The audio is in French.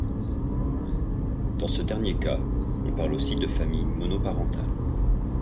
Dans ce dernier cas, on parle aussi de famille monoparentale.